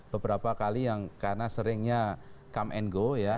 beberapa kali yang karena seringnya come and go ya